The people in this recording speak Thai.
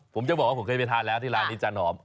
ผมจะบอกว่าผมเคยไปทานแล้วที่ร้านนี้จานหอม